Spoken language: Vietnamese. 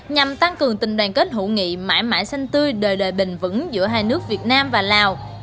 nhằm tăng cường tình đoàn kết hữu nghị mãi mãi xanh tươi đời đời bình vững giữa hai nước việt nam và lào